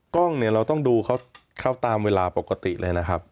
กล้องเนี่ยเราต้องดูเขาตามเวลาปกติเลยนะครับ